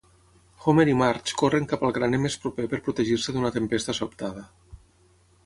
Homer i Marge corren cap al graner més proper per protegir-se d'una tempesta sobtada.